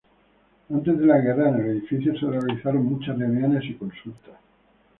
Antes de la guerra en el edificio se realizaron muchas reuniones y consultas.